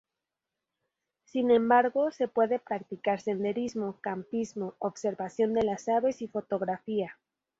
Sin embargo, se puede practicar senderismo, campismo, observación de las aves y fotografía.